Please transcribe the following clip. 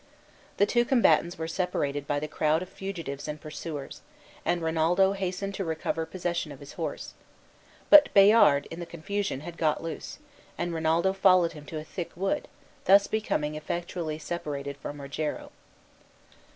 The two combatants were separated by the crowd of fugitives and pursuers, and Rinaldo hastened to recover possession of his horse. But Bayard, in the confusion, had got loose, and Rinaldo followed him into a thick wood, thus becoming effectually separated from Rogero.